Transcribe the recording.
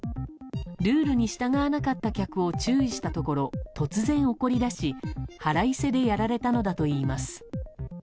ルールに従わなかった客を注意したところ突然怒り出し、腹いせでやられたのだといいます。